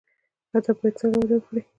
ادب باید څنګه وده وکړي؟